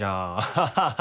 ハハハハ。